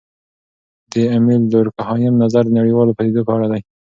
د امیل دورکهايم نظر د نړیوالو پدیدو په اړه دی.